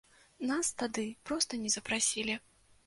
Нас тады проста не запрасілі.